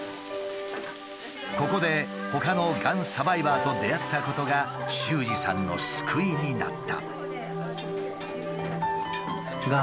ここでほかのがんサバイバーと出会ったことが秀司さんの救いになった。